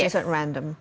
itu tidak random